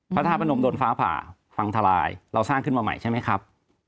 พระธาตุพนมโดนฟ้าผ่าพังทลายเราสร้างขึ้นมาใหม่ใช่ไหมครับ